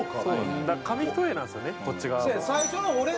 だから紙一重なんですよねこっち側も。